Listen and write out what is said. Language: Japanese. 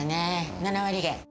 ７割減。